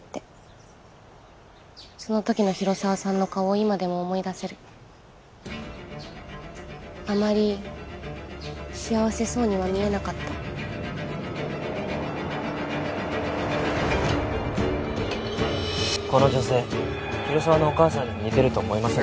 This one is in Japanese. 今でも思い出せるあまり幸せそうには見えなかったこの女性広沢のお母さんに似てると思いません？